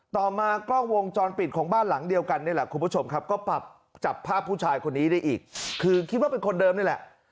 ต่อมากล้องวงจรปิดของบ้านหลังเดียวกันนี่แหละคุณผู้ชมครับก็ปรับจับภาพผู้ชายคนนี้ได้อีกคือคิดว่าเป็นคนเดิมนี่แหละ